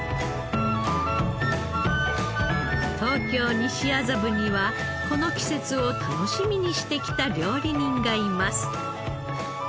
東京西麻布にはこの季節を楽しみにしてきた料理人がいます。